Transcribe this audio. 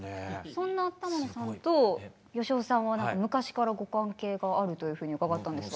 そんな玉野さんと芳雄さんは昔からご関係があるというふうに伺ったんですが。